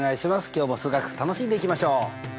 今日も数学楽しんでいきましょう！